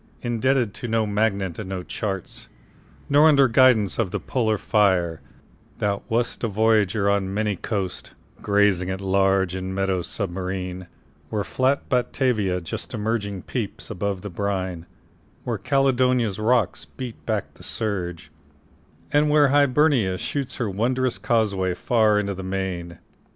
Indebted to no magnet and no chart, Nor under guidance of the polar fire, Thou wast a voyager on many coasts, Grazing at large in meadows submarine, Where flat Batavia just emerging peeps Above the brine, where Caledonia's rocks Beat back the surge, and where Hibernia shoots Her wondrous causeway far into the main.